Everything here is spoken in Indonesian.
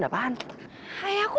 depan hai aku